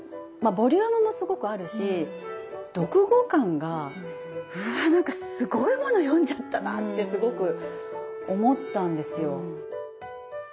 ボリュームもすごくあるし読後感が「うわなんかすごいもの読んじゃったな」ってすごく思ったんですよ。